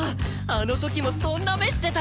あの時もそんな目してた！